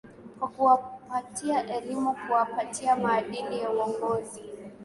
kwa kuwapatia elimu kuwapatia maadili ya uongozi